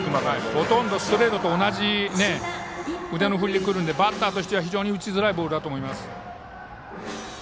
ほとんどストレートと同じ腕の振りでくるのでバッターとしては非常に打ちづらいボールだと思います。